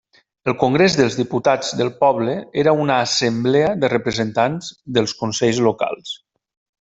El Congrés dels Diputats del Poble era una assemblea de representants dels consells locals.